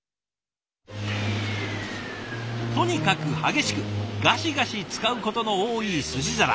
とにかく激しくガシガシ使うことの多い寿司皿。